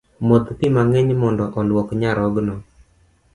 Modh pi mang’eny mond oluok nyarogno